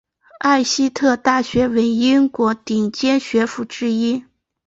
艾希特大学为英国顶尖学府之一。